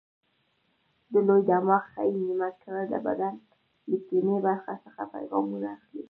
د لوی دماغ ښي نیمه کره د بدن له کیڼې برخې څخه پیغامونه اخلي.